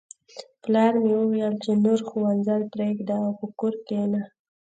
پلار مې وویل چې نور ښوونځی پریږده او په کور کښېنه